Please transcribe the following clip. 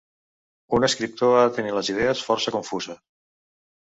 Un escriptor ha de tenir les idees força confuses.